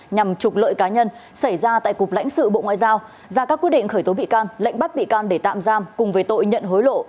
nhằm trục lợi cá nhân xảy ra tại cục lãnh sự bộ ngoại giao ra các quyết định khởi tố bị can lệnh bắt bị can để tạm giam cùng với tội nhận hối lộ